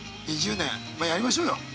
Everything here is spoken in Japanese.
２０年、やりましょうよ！